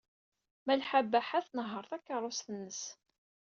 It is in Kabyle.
Malḥa Baḥa tnehheṛ takeṛṛust-nnes.